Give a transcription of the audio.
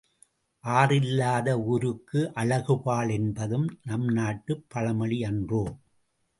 ஆறில்லாத ஊருக்கு அழகு பாழ் என்பதும் நம் நாட்டுப் பழமொழி அன்றோ!